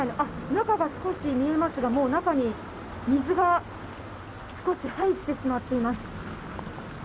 中が少し見えますが水が少し入ってしまっています。